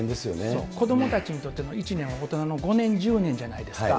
そう、子どもたちにとっての１年は大人の５年、１０年じゃないですか。